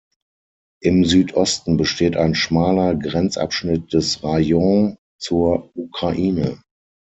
Im Südosten besteht ein schmaler Grenzabschnitt des Rajons zur Ukraine.